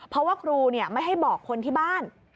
เพราะว่าครูไม่ให้บอกคนที่บ้าน